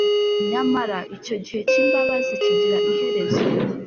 nyamara icyo gihe cy’imbabazi kigira iherezo